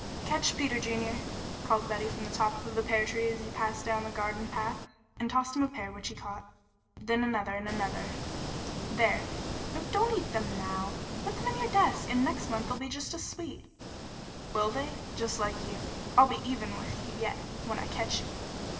"Catch, Peter Junior," called Betty from the top of the pear tree as he passed down the garden path, and tossed him a pear which he caught, then another and another. "There! No, don't eat them now. Put them in your desk, and next month they'll be just as sweet!" "Will they? Just like you? I'll be even with you yet when I catch you."